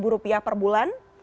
rp dua ratus per bulan